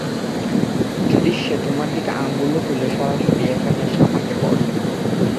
যদি সে তোমার দিকে আঙুলও তোলে সরাসরি এখানে এসে আমাকে বলবে।